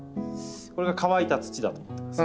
これが乾いた土だと思ってください。